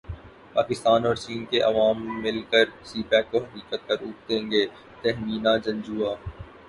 پاکستان اور چین کے عوام مل کر سی پیک کو حقیقت کا روپ دیں گے تہمینہ جنجوعہ